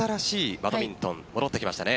バドミントン戻ってきましたね。